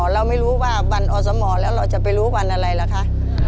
เราไม่รู้ว่าวันอสมแล้วเราจะไปรู้วันอะไรล่ะคะ